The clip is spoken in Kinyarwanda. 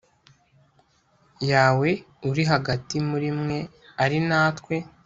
yawe uri hagati muri mwe ari natwe